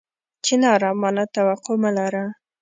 چناره! ما نه توقع مه لره